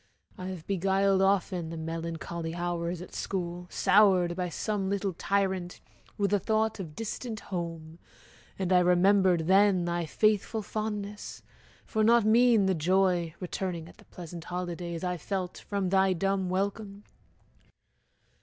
I have beguiled Often the melancholy hours at school, Soured by some little tyrant, with the thought Of distant home, and I remembered then Thy faithful fondness: for not mean the joy, Returning at the pleasant holidays, I felt from thy dumb welcome.